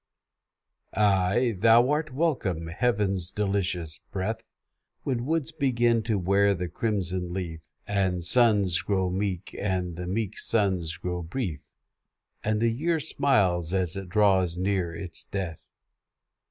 Ay, thou art welcome, heaven's delicious breath, When woods begin to wear the crimson leaf, And suns grow meek, and the meek suns grow brief, And the year smiles as it draws near its death.